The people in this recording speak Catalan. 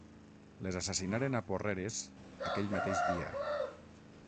Les assassinaren a Porreres aquell mateix dia.